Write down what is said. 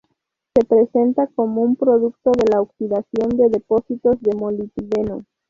Se presenta como un producto de la oxidación de depósitos de molibdeno.